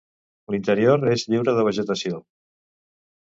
L'interior és lliure de vegetació.